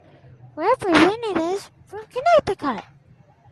Representatives from Connecticut.